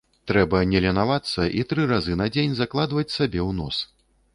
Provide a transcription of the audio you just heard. Трэба не ленавацца і тры разы на дзень закладваць сабе у нос.